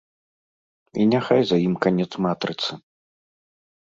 І няхай за ім канец матрыцы.